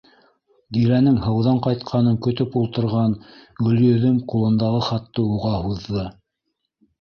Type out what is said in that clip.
Диләнең һыуҙан ҡайтҡанын көтөп ултырған Гөлйөҙөм ҡулындағы хатты уға һуҙҙы: